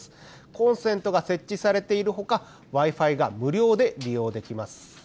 コンセントが設置されているほかＷｉ−Ｆｉが無料で利用できます。